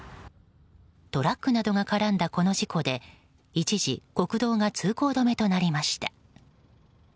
トラックなどが絡んだこの事故で一時、国道が通行止めとなりました。